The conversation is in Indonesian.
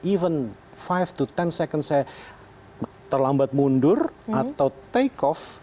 even lima to sepuluh second saya terlambat mundur atau take off